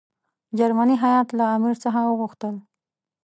جرمني هیات له امیر څخه وغوښتل.